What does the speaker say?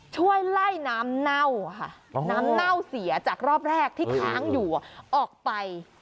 ช่วยไล่น้ำเน่าค่ะน้ำเน่าเสียจากรอบแรกที่ค้างอยู่ออกไป